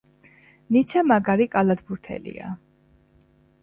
ნიცა მაგარი კალათბურტელია.